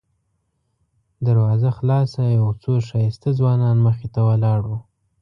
دروازه خلاصه او څو ښایسته ځوانان مخې ته ولاړ وو.